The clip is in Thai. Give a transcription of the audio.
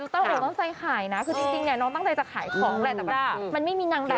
ตอนไลฟ์น้องก็ต้องไขนะคะ